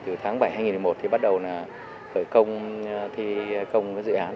từ tháng bảy hai nghìn một mươi một thì bắt đầu khởi công dự án